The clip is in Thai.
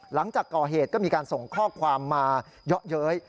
หลังจากก่อเหตุก็มีการส่งข้อความมาเยอะเย้ย